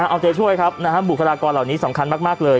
เอาใจช่วยครับบุคลากรเหล่านี้สำคัญมากเลย